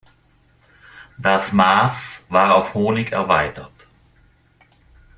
Das Maß war auf Honig erweitert.